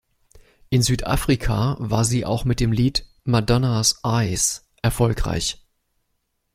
In Südafrika war sie auch mit dem Lied "Madonna’s Eyes" erfolgreich.